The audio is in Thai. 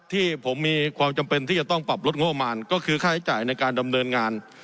ที่ผมมีความจำเป็นที่จะต้องปรับลดงบมารก็คือค่าใช้จ่ายในการดำเนินงาน